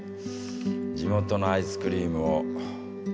地元のアイスクリームを。